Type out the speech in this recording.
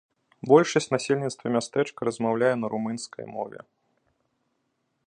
Большасць насельніцтва мястэчка размаўляе на румынскай мове.